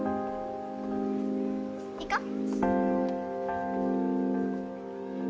行こう。